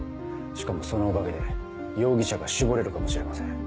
しかもそのおかげで容疑者が絞れるかもしれません。